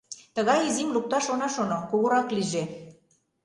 Тыгай изим лукташ она шоно, кугурак лийже.